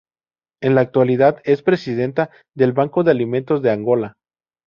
En la actualidad, es presidenta del Banco de Alimentos de Angola.